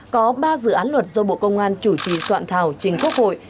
có ba dự án luật do bộ công an chủ trì soạn thảo trình quốc hội